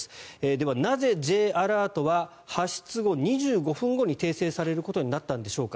ではなぜＪアラートは発出後２５分後に訂正されることになったんでしょうか。